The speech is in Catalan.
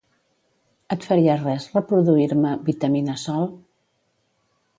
Et faria res reproduir-me "Vitamina sol"?